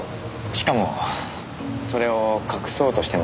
しかもそれを隠そうとしてましたよね。